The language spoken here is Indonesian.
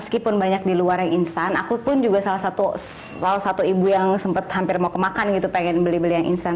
meskipun banyak di luar yang instan aku pun juga salah satu ibu yang sempat hampir mau kemakan gitu pengen beli beli yang instan